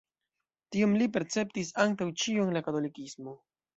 Tion li perceptis antaŭ ĉio en la katolikismo.